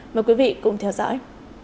mời quý vị cùng theo dõi